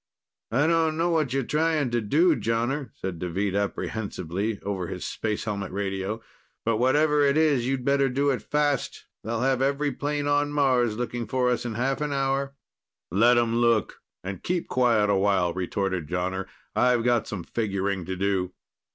"I don't know what you're trying to do, Jonner," said Deveet apprehensively over his spacehelmet radio. "But whatever it is, you'd better do it fast. They'll have every plane on Mars looking for us in half an hour." "Let 'em look, and keep quiet a while," retorted Jonner. "I've got some figuring to do."